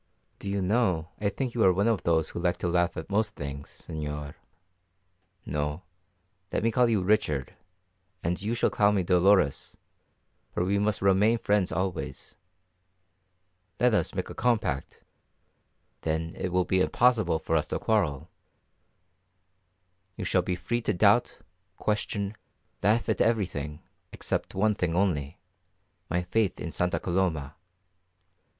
Do you know I think you are one of those who like to laugh at most things, señor no, let me call you Richard, and you shall call me Dolores, for we must remain friends always. Let us make a compact, then it will be impossible for us to quarrel. You shall be free to doubt, question, laugh at everything, except one thing only my faith in Santa Coloma."